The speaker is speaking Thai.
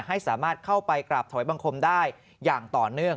ให้สามารถเข้าไปกราบถอยบังคมได้อย่างต่อเนื่อง